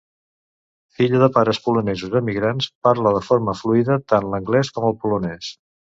Filla de pares polonesos emigrants, parla de forma fluida tant l'anglès com el polonès.